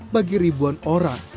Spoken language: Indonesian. bagi ribuan orang